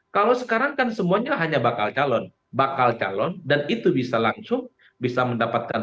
kalau sekarang kan semuanya hanya bakal calon bakal calon dan itu bisa langsung bisa mendapatkan